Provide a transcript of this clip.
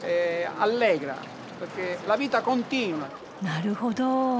なるほど。